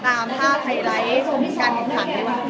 เพราะว่ามีข่าวชะดิชาชะดิชาที่บุคคลุมชะพาว